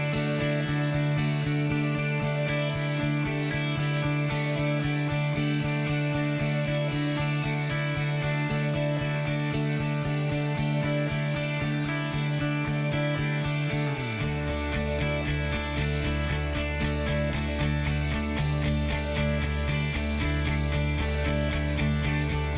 โปรดติดตามต่อไป